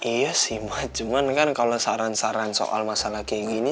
iya sih cuman kan kalau saran saran soal masalah kayak gini